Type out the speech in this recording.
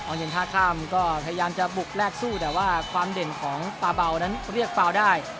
เย็นท่าข้ามก็พยายามจะบุกแลกสู้แต่ว่าความเด่นของปาเบานั้นเรียกฟาวได้